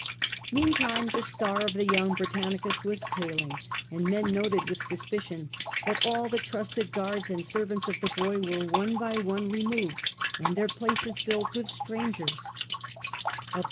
Meantime the star of the young Britannicus was paling, and men noted with and the suspicion that all the trusted guards and trusted scr servants of the boy were one by one re Britannicus moved and their places filled with strangers, removed.